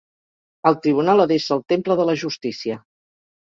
El tribunal ha d'ésser el temple de la justícia.